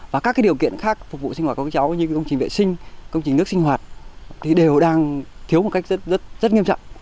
và các điều kiện khác phục vụ sinh hoạt của các cháu như công trình vệ sinh công trình nước sinh hoạt thì đều đang thiếu một cách rất nghiêm trọng